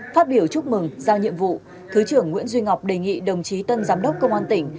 phát biểu chúc mừng giao nhiệm vụ thứ trưởng nguyễn duy ngọc đề nghị đồng chí tân giám đốc công an tỉnh